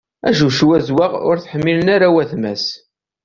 Ačewčew azewwaɣ ur t-ḥmmilen ara wayetma-s.